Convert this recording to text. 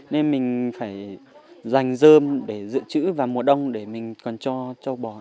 nên mình phải dành rơm để dựa chữ vào mùa đông để mình còn cho châu bò